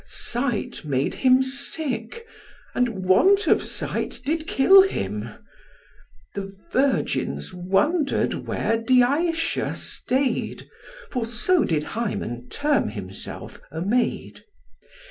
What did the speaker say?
Sight made him sick, and want of sight did kill him. The virgins wonder'd where Diætia stay'd, For so did Hymen term himself, a maid.